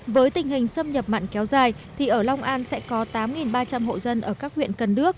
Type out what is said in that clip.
với tình hình xâm nhập mặn kéo dài thì ở long an sẽ có tám ba trăm linh hộ dân ở các huyện cần đước